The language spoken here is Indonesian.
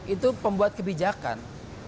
itu pembuat kebijakan